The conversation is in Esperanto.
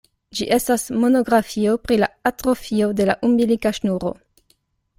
Ĝi estas monografio pri la atrofio de la umbilika ŝnuro.